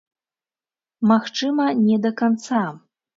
Магчыма, не да канца.